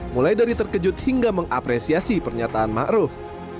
mulai dari terkejut hingga mengapresiasi pernyataan ma'ruf